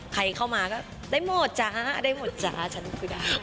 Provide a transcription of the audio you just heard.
ใครเข้ามาก็ได้หมดจ๊ะได้หมดจ๊ะฉันพูดได้